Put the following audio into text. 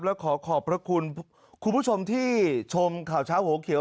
แล้วขอขอบพระคุณคุณผู้ชมที่ชมข่าวเช้าหัวเขียว